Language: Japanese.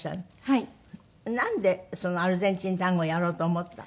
なんでそのアルゼンチンタンゴやろうと思ったの？